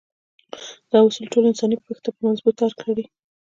دا اصول ټول انساني پښت په مضبوط تار تړي.